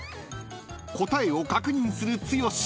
［答えを確認する剛］